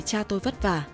cha tôi vất vả